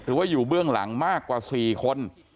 หรือว่าอยู่เบื้องหลังมากกว่า๔คน